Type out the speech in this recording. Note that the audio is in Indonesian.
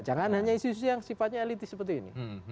jangan hanya isu isu yang sifatnya elitis seperti ini